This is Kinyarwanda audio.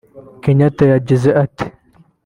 Kenyatta yagize ati